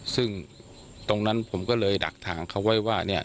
ซึ่งตรงนั้นผมก็เลยดักทางเขาไว้ว่า